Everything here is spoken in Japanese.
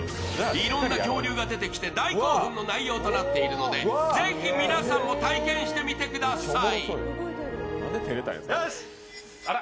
いろんな恐竜が出てきて大興奮な内容となっているのでぜひ皆さんも体験してみてください。